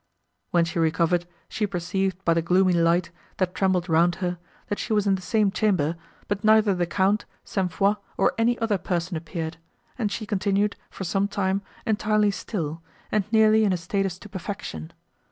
When she recovered, she perceived, by the gloomy light that trembled round her, that she was in the same chamber, but neither the Count, St. Foix, nor any other person appeared, and she continued, for some time, entirely still, and nearly in a state of stupefaction.